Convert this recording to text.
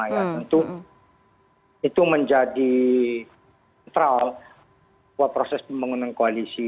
tentu itu menjadi central buat proses pembangunan koalisi